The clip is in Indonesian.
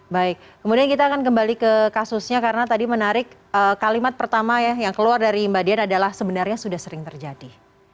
baik kemudian kita akan kembali ke kasusnya karena tadi menarik kalimat pertama ya yang keluar dari mbak dian adalah sebenarnya sudah sering terjadi